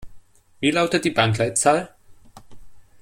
Wie lautet die Bankleitzahl?